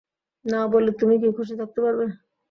না বলে তুমি কি খুশি থাকতে পারবে?